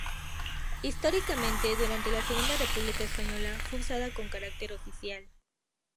Históricamente, durante la Segunda República Española fue usada con carácter oficial.